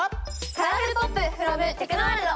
カラフルポップフロムテクノワールド！